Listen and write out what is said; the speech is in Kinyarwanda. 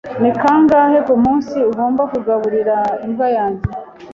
Ni kangahe kumunsi ngomba kugaburira imbwa yanjye?